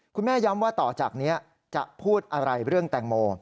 ย้ำว่าต่อจากนี้จะพูดอะไรเรื่องแตงโม